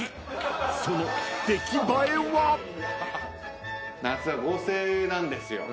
［その出来栄えは？］夏は合成なんですよ。